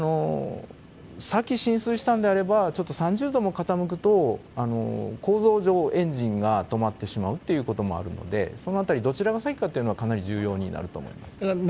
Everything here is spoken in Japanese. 先、浸水したんであれば、ちょっと３０度も傾くと、構造上、エンジンが止まってしまうってこともあるので、そのあたり、どちらが先かというのは、かなり重要になると思います。